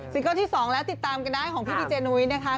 เกิลที่๒แล้วติดตามกันได้ของพี่ดีเจนุ้ยนะคะ